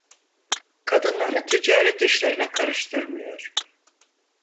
Kadınları ticaret işlerine karıştırmıyor!